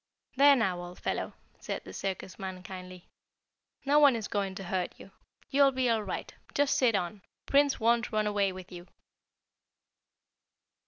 "There now, old fellow," said the circus man kindly. "No one is going to hurt you. You'll be all right. Just sit on. Prince won't run away with you."